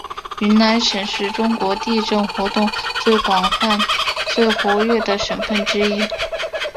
云南省是中国地震活动最活跃的省份之一。